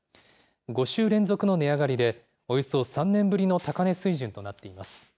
５週連続の値上がりで、およそ３年ぶりの高値水準となっています。